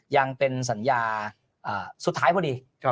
ยังเป็นสัญญาสุดท้ายพอดี